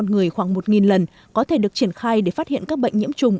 một người khoảng một lần có thể được triển khai để phát hiện các bệnh nhiễm trùng